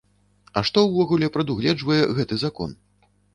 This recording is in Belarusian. А што ўвогуле прадугледжвае гэты закон?